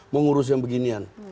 mengurus yang beginian